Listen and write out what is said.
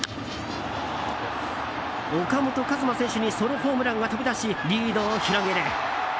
岡本和真選手にソロホームランが飛び出しリードを広げる。